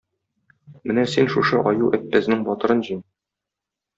Менә син шушы Аю-Әппәзнең батырын җиң.